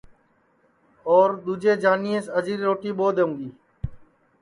اور دؔوجے جانیئس اجری روٹی ٻو دؔونگی